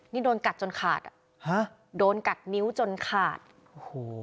นี่โดนกัดจนขาดอ่ะฮะโดนกัดนิ้วจนขาดโอ้โห